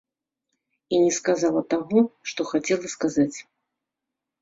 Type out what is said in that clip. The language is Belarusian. І не сказала таго, што хацела сказаць.